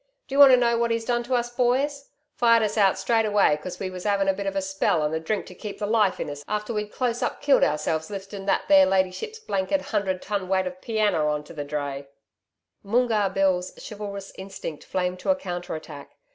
Do you want to know what he's done to us boys? Fired us out straight away cos we was 'avin' a bit of a spell and a drink to keep the life in us after we'd close up killed ourselves lifting that there ladyship's blanked hundred ton weight of pianner on to the dray....' Moongarr Bill's chivalrous instinct flamed to a counter attack.